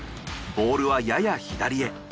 ボールはやや左へ。